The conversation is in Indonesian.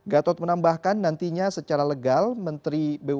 gatot menambahkan nantinya secara legal menteri bumn